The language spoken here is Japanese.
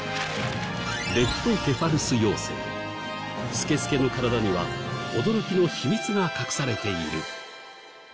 透け透けの体には驚きの秘密が隠されている。